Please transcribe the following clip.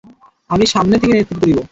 আমি সামনে থেকে নেতৃত্ব দিব।